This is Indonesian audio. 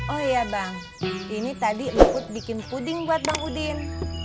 oh iya bang ini tadi mau ut bikin puding buat bang udin